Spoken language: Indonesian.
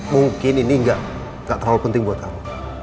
mungkin ini gak terlalu penting buat kamu